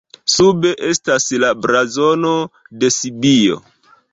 Sube estas la blazono de Sibio.